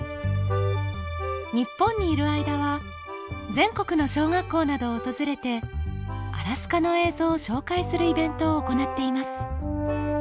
日本にいる間は全国の小学校などを訪れてアラスカの映像を紹介するイベントを行っています